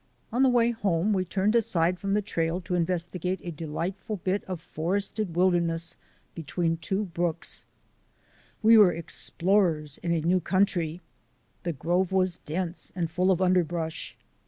On the way home we turned aside from the trail to investigate a delightful bit of forested wilder ness between two brooks. We were explorers in a new country. The grove was dense and lull ot 155 i 5 6 THE ADVENTURES OF A NATURE GUIDE underbrush.